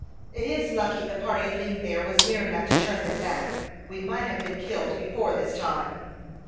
"It is lucky the party of Lean Bear was near enough to turn them back. We might have been killed before this time."